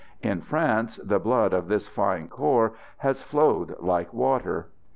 In France the blood of this fine corps has flowed like water.